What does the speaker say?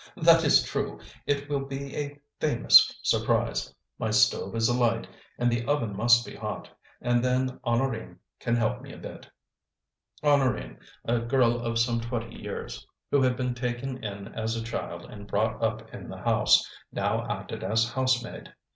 "That's true! it will be a famous surprise. My stove is alight, and the oven must be hot; and then Honorine can help me a bit." Honorine, a girl of some twenty years, who had been taken in as a child and brought up in the house, now acted as housemaid.